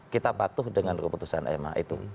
kita patuh dengan keputusan ma itu